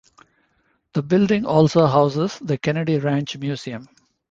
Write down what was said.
The building also houses the Kenedy Ranch Museum.